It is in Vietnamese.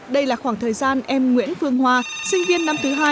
đây là khoảng thời gian em nguyễn phương hoa sinh viên năm thứ hai